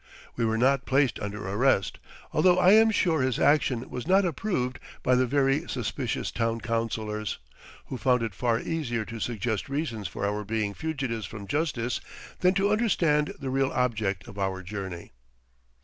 We were not placed under arrest, although I am sure his action was not approved by the very suspicious town councilors, who found it far easier to suggest reasons for our being fugitives from justice than to understand the real object of our journey.